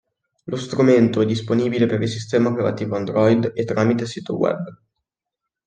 Lo strumento è disponibile per il sistema operativo android e tramite sito web.